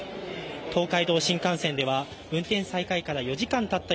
東海道新幹線では運転再開から４時間たった